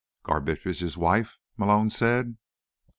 "Garbitsch's wife?" Malone said.